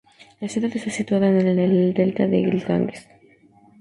La ciudad está situada en el delta del Ganges.